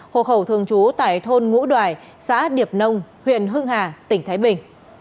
hộ khẩu thường trú tại thôn ngũ đoài xã điệp nông huyện hưng hà tỉnh thái bình